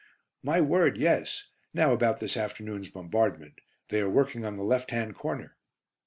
"My word, yes. Now about this afternoon's bombardment; they are working on the left hand corner."